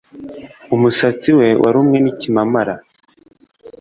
Umusatsi we warumwe nikimamara